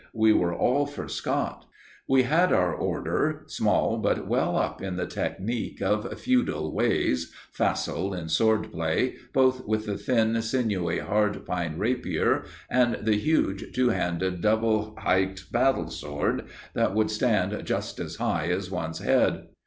We were all for Scott. We had our Order, small, but well up in the technique of feudal ways, facile in sword play, both with the thin, sinewy hard pine rapier, and the huge, two handed, double hiked battle sword that should stand just as high as one's head.